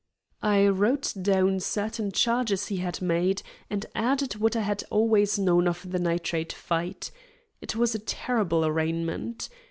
I wrote down certain charges he had made, and added what I had always known of the nitrate fight. It was a terrible arraignment.